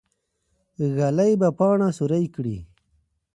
ږلۍ به پاڼه سوری کړي.